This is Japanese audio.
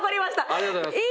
ありがとうございます。